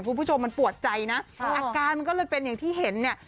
คุณผู้ชมมันปวดใจนะอาการมันก็เลยเป็นอย่างที่เห็นเนี่ย